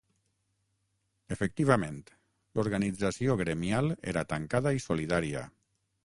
Efectivament, l'organització gremial era tancada i solidària.